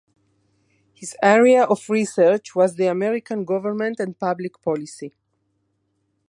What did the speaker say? His area of research was the American government and public policy.